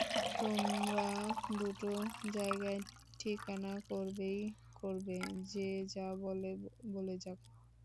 তোমরা দুটো জায়গার ঠিকানা করবেই করবে, যে যা বলে, বলে যাক।